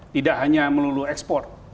tidak hanya melulu ekspor